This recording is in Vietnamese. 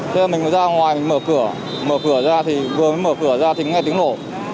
thế mình ra ngoài mở cửa vừa mới mở cửa ra thì nghe tiếng nổ